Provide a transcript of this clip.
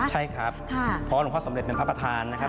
ใช่ครับเพราะหลวงพ่อสำเร็จเป็นพระประธานนะครับ